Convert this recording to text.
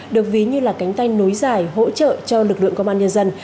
được ví như là cánh tay nối dài hỗ trợ cho lực lượng công an nhân dân